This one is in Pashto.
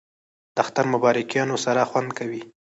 د اختر مبارکیانو سره خوند کوي